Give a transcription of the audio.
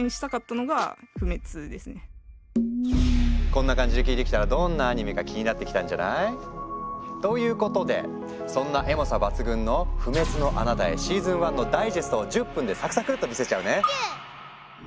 こんな感じで聞いてきたらどんなアニメか気になってきたんじゃない？ということでそんなエモさ抜群のを１０分でサクサクッと見せちゃうね。